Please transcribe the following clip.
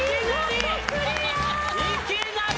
いきなり！